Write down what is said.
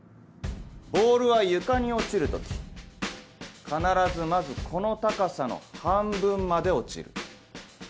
ボールは床に落ちる時必ずまずこの高さの半分まで落ちる。